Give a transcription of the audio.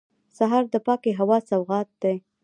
سهار د پاکې هوا سوغات دی.